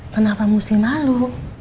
kenapa mesti malu